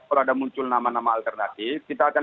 kalau ada muncul nama nama alternatif kita akan